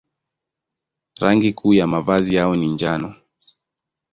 Rangi kuu ya mavazi yao ni njano.